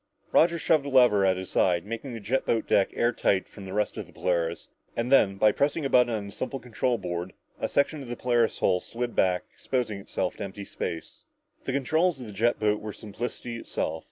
Roger shoved a lever at his side, making the jet boat deck airtight from the rest of the Polaris, and then, by pressing a button on the simple control board, a section of the Polaris' hull slipped back, exposing them to empty space. The controls of a jet boat were simplicity itself.